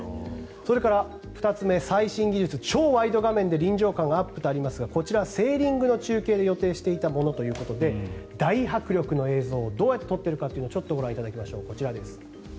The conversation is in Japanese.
それから、２つ目最新技術超ワイド画面で臨場感アップとありますがこちら、セーリングの中継で予定していたものということで大迫力の映像をどうやって撮っているかをちょっとご覧いただきましょう。